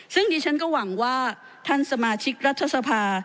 ซึ่งดิฉันก็หวังว่าท่านสมาชิกรัฐสภา